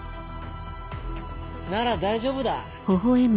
なら大丈夫だ。